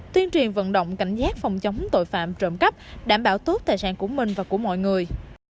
tuyên truyền vận động cảnh giác phòng chống tội phạm trộm cắp đảm bảo tốt tài sản của mình và của mọi người